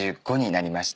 「なりました」